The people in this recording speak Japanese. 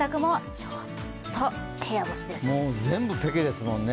もう全部×ですもんね。